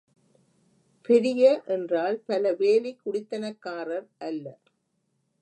பெரிய என்றால் பல வேலிக் குடித்தனக்காரர் அல்ல.